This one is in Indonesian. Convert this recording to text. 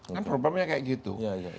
kan problemnya kayak gitu